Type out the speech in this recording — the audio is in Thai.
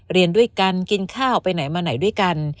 เรียนด้วยกันกินข้าวไปไหนมาไหนด้วยกัน